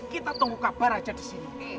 kita tunggu kabar aja disini